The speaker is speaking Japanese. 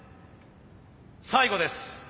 最後です。